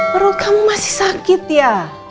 perut kamu masih sakit ya